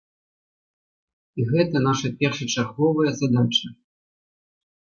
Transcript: І гэта наша першачарговая задача.